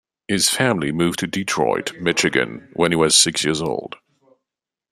His family moved to Detroit, Michigan when he was six years old.